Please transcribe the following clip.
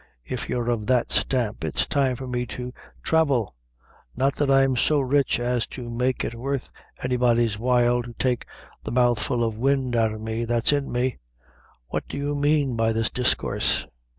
If you're of that stamp, it's time for me to thravel; not that I'm so rich as to make it worth any body's while to take the mouthful of wind out o' me that's in me. What do you mean by this discoorse?"